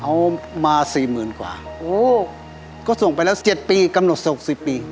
เอามาสี่หมื่นกว่าโอ้ก็ส่งไปแล้วเจ็ดปีกำหนดส่งสิบปี